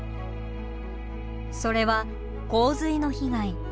それは洪水の被害。